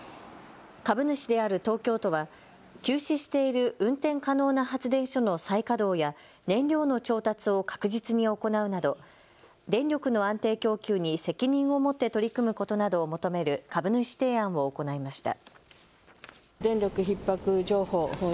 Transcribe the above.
株主である東京都は休止している運転可能な発電所の再稼働や燃料の調達を確実に行うなど電力の安定供給に責任を持って取り組むことなどを求める株主提案を行いました。